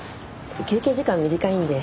休憩時間短いんで。